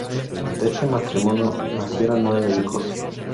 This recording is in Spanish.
De este matrimonio nacerían nueve hijos.